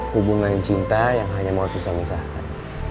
hubungan cinta yang hanya mau pisah pisahkan